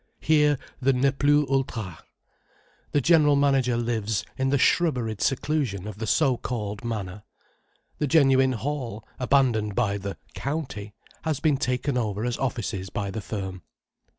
Here the ne plus ultra. The general manager lives in the shrubberied seclusion of the so called Manor. The genuine Hall, abandoned by the "County," has been taken over as offices by the firm.